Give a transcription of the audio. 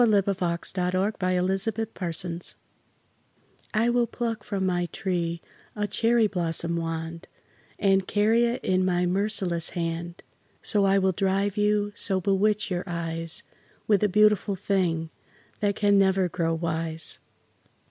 U V . W X . Y Z The Cherry Blossom Wand I WILL pluck from my tree a cherry blossom wand, And carry it in my merciless hand, So I will drive you, so bewitch your eyes, With a beautiful thing that can never grow wise.